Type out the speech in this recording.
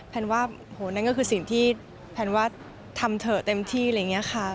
แผนว่าโหนั่นก็คือสิ่งที่แผนว่าทำเถอะเต็มที่ค่ะ